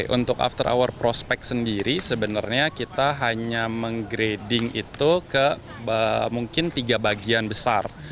untuk after hour prospect sendiri sebenarnya kita hanya menggrading itu ke mungkin tiga bagian besar